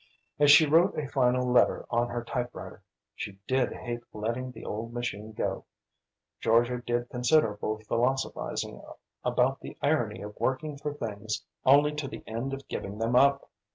As she wrote a final letter on her typewriter she did hate letting the old machine go Georgia did considerable philosophising about the irony of working for things only to the end of giving them up.